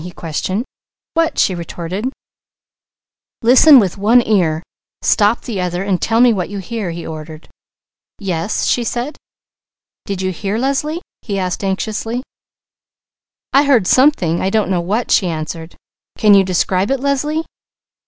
he questioned. "What?" she retorted. "Listen with one ear, stop the other, and tell me what you hear," he ordered. "Yes," she said. "Did you hear, Leslie?" he asked anxiously. "I heard something, I don't know what," she answered. "Can you describe it, Leslie?"